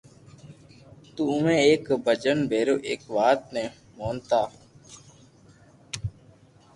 تو اووي ايڪ ڀجن ڀيرو ايڪ وات ني مونتا